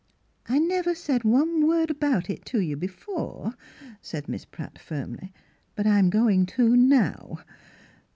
I never said one word about it to you before," said Miss Pratt firmly, " but I'm goin' to now.